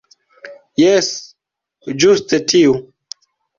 Jes, ĝuste tiu.